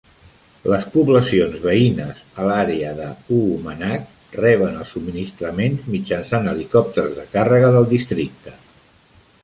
Les poblacions veïnes a l'àrea de Uummannaq reben els subministraments mitjançant helicòpters de càrrega del districte.